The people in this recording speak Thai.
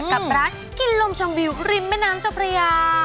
กับร้านกินลมชมวิวริมแม่น้ำเจ้าพระยา